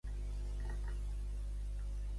La sala fa cinc metres al llarg.